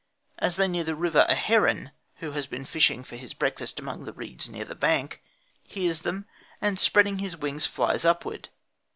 As they near the river a heron, who had been fishing for his breakfast among the reeds near the bank, hears them and spreading his wings flies upward.